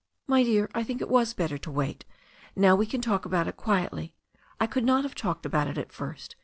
"My dear, I think it was better to wait. Now we can talk about it quietly. I could not have talked about it at first.